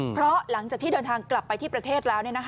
เพราะหลังจากที่เดินทางกลับไปประเทศ